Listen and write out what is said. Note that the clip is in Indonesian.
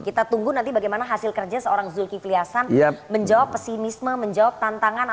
kita tunggu nanti bagaimana hasil kerja seorang zulkifli hasan menjawab pesimisme menjawab tantangan